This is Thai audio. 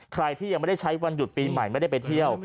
ใครที่ยังไม่ได้ใช้วันหยุดปีใหม่ไม่ได้ไปเที่ยว